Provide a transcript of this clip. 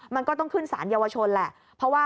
มันก็ต้องขึ้นสารเยาวชนแหละ